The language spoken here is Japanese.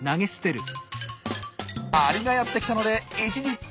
アリがやって来たので一時退却。